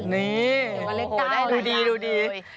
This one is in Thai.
นี่โอ้โฮดูดี